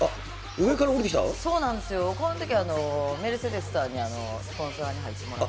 そうなんですよ、このときはメルセデスさんに、スポンサーに入ってもらって。